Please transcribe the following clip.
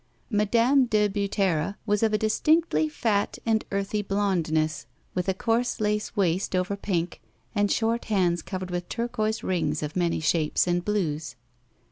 Madame de Butera was of a distinctly fat and earthy blondness, with a coarse lace waist over pink, and short hands covered with turquoise rings of many shapes and blues.